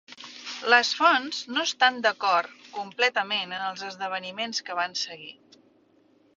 Les fonts no estan d'acord completament en els esdeveniments que van seguir.